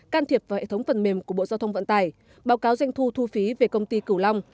can thiệp vào hệ thống phần mềm của bộ giao thông vận tải báo cáo doanh thu thu phí về công ty cửu long